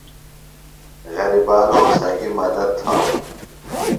غرِبانوم سنگیۡ مدت تھانوۡ۔